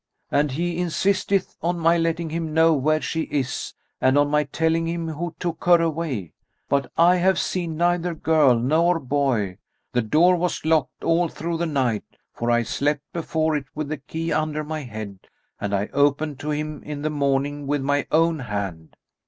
And he insisteth on my letting him know where she is and on my telling him who took her away. But I have seen neither girl nor boy: the door was locked all through the night, for I slept before it with the key under my head, and I opened to him in the morning with my own hand.